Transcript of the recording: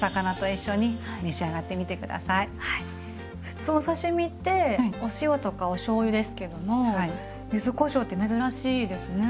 普通お刺身ってお塩とかおしょうゆですけども柚子こしょうって珍しいですね。